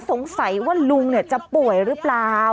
สงสัยว่าลุงจะป่วยหรือเปล่า